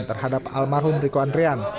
terhadap almarhum riko andrian